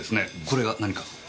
これが何か？